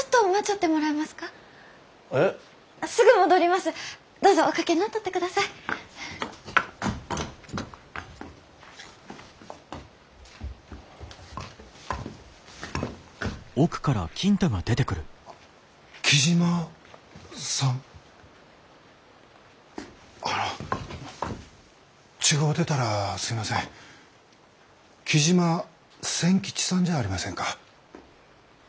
雉真千吉さんじゃありませんか？